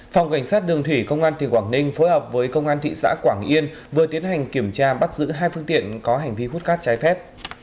phòng cảnh sát đường thủy công an tỉnh quảng ninh phối hợp với công an thị xã quảng yên vừa tiến hành kiểm tra bắt giữ hai phương tiện có hành vi hút cát trái phép